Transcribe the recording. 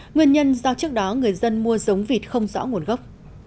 nguyên nhân do trước đó người dân mua giống vịt không rõ nguồn gốc